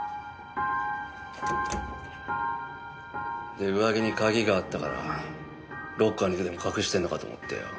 で上着に鍵があったからロッカーにでも隠してるのかと思ってよ。